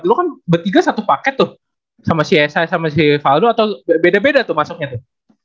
lu kan bertiga satu paket tuh sama si ysy sama si faudo atau beda beda tuh masuknya tuh